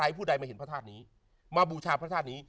ผู้ใดมาเห็นพระธาตุนี้มาบูชาพระธาตุนี้